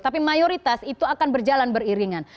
tapi mayoritas itu akan berjalan beriringan